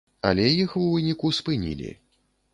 Але іх у выніку спынілі.